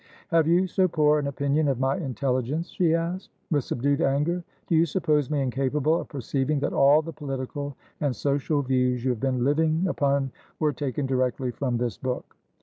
"Have you so poor an opinion of my intelligence?" she asked, with subdued anger. "Do you suppose me incapable of perceiving that all the political and social views you have been living upon were taken directly from this book?